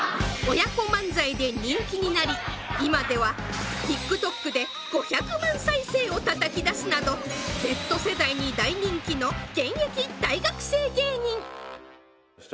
親子漫才で人気になり今ではＴｉｋＴｏｋで５００万再生をたたき出すなどＺ世代に大人気の現役大学生芸人主張